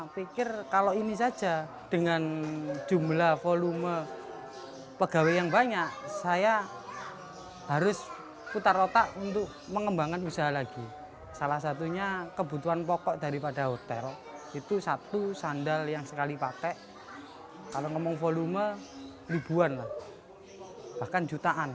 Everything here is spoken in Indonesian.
pelibuan lah bahkan jutaan